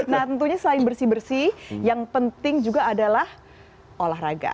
nah tentunya selain bersih bersih yang penting juga adalah olahraga